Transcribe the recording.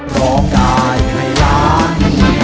ร้องได้ให้ล้าน